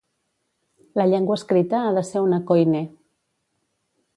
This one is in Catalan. La llengua escrita ha de ser una "koiné".